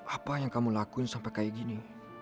apa yang kamu lakuin sampai kayak gini